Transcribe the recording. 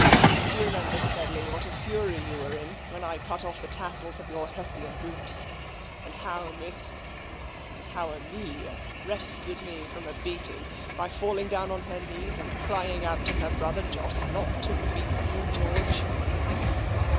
"Do you remember, Sedley, what a fury you were in, when I cut off the tassels of your Hessian boots, and how Miss hem! how Amelia rescued me from a beating, by falling down on her knees and crying out to her brother Jos, not to beat little George?"